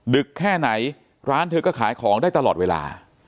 แค่ไหนร้านเธอก็ขายของได้ตลอดเวลา